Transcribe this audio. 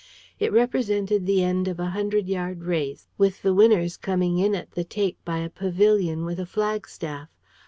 It represented the end of a hundred yard race, with the winners coming in at the tape by a pavilion with a flag staff.